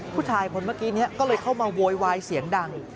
ผู้ชายคนเมื่อกี้นี้ก็เลยเข้ามาโวยวายเสียงดัง